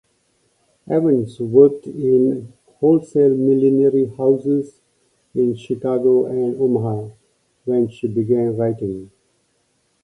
Evans worked in "wholesale millinery houses" in Chicago and Omaha when she began writing.